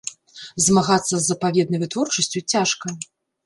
Змагацца з запаведнай вытворчасцю цяжка.